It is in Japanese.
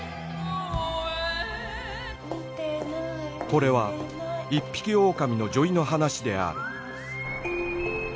これは一匹狼の女医の話である